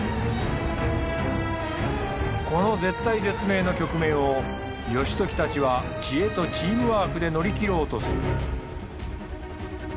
この絶体絶命の局面を義時たちは知恵とチームワークで乗り切ろうとする。